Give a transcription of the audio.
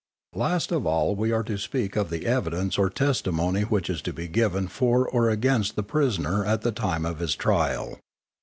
_ _Last of all we are to speak of the evidence or testimony which is to be given for or against the prisoner at the time of his trial.